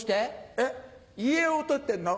えっ遺影を撮ってんの？